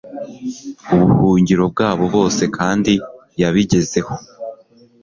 ubuhungiro bwabo bose kandi yabigezeho